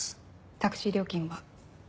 タクシー料金は？